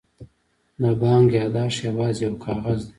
د بانک یادښت یوازې یو کاغذ دی.